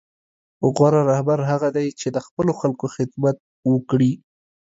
غوره رهبر هغه دی چې د خپلو خلکو خدمت وکړي.